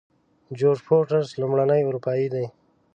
جورج فورسټر لومړنی اروپایی دی.